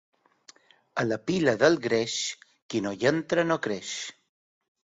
A la pila del greix, qui no hi entra no creix.